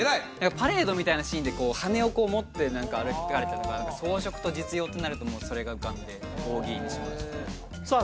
パレードみたいなシーンで羽をこう持って歩かれてたのが装飾と実用ってなるともうそれが浮かんで扇にしましたさあ